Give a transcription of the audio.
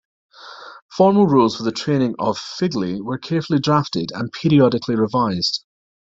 Formal rules for the training of "figlie" were carefully drafted and periodically revised.